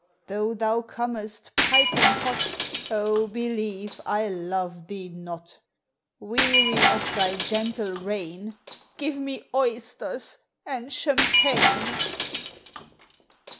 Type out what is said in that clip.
Though thou comest piping hot, Oh, believe I love thee not! Weary of thy gentle reign Give me oysters and champagne!